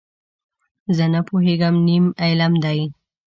زه نه پوهېږم، نیم علم دی.